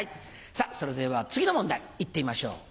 さぁそれでは次の問題いってみましょう。